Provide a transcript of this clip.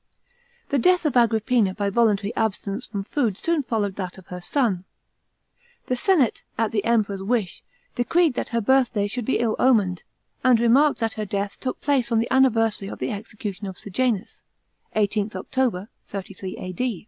The death of Agrippina by voluntary abstinence from food soon followed that of her son. The senate, at the Emperor's wish, decreed that her birthday should be ill omened, and remarked tdat her death took place on the anniversary of the execution of Sejanus (18th October, 33 A.